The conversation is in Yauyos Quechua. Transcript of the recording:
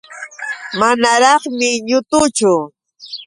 Manaraqmi ñutuchu.